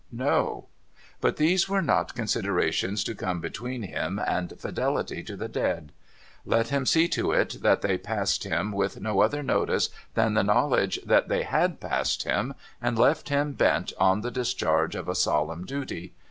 No. But these were not considerations to come between him and fidelity to the dead. Let him see to it that they passed him with no other notice than the knowledge that they had passed him, and left him bent on the discharge of a solemn duty.